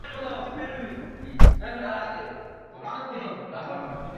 খুলনা বিশ্ববিদ্যালয় স্বাধীনতা শিক্ষক পরিষদের সভাপতি অনির্বাণ মোস্তফা এতে সভাপতিত্ব করেন।